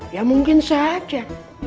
ya mungkin saja